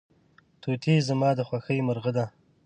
توتي زما د خوښې مرغه دی.